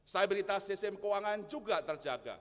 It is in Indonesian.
stabilitas sistem keuangan juga terjaga